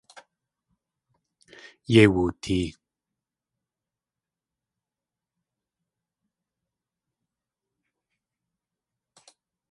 Yéi wootee.